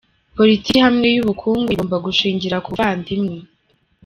Politiki ihamye y’ubukungu, igomba gushingira ku buvandimwe.